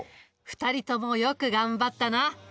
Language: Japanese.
２人ともよく頑張ったな。